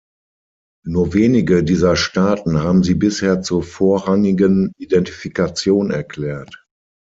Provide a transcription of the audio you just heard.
Nur wenige dieser Staaten haben sie bisher zur vorrangigen Identifikation erklärt.